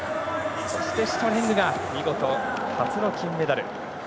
そしてシュトレング見事、初の金メダル。